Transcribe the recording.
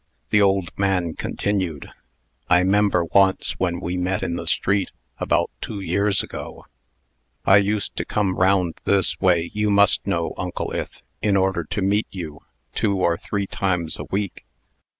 The old man continued: "I 'member once when we met in the street, about two years ago " "I used to come around this way, you must know, Uncle Ith, in order to meet you, two or three times a week."